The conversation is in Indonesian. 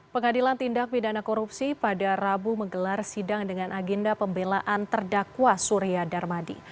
pengadilan tindak pidana korupsi pada rabu menggelar sidang dengan agenda pembelaan terdakwa surya darmadi